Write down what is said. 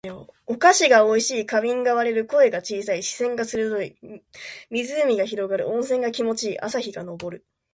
お菓子が美味しい。花瓶が割れる。声が小さい。視線が鋭い。湖が広がる。温泉が気持ち良い。朝日が昇る。